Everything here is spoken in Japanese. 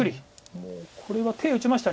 もうこれは手打ちました。